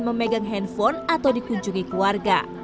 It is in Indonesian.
mereka tidak akan memegang handphone atau dikunjungi keluarga